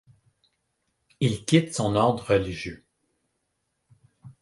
Il quitte son ordre religieux.